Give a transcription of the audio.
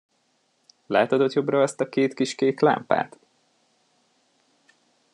Látod ott jobbra azt a két kis kék lámpát?